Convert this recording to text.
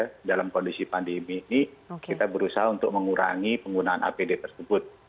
karena dalam kondisi pandemi ini kita berusaha untuk mengurangi penggunaan apd tersebut